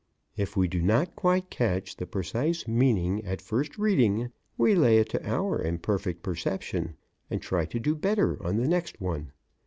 If we do not quite catch the precise meaning at first reading, we lay it to our imperfect perception and try to do better on the next one.